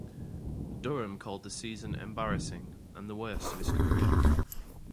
Durham called the season "embarrassing" and the "worst" of his career.